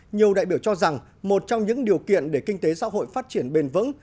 nhiều đại biểu cho rằng một trong những điều kiện để kinh tế xã hội phát triển bền vững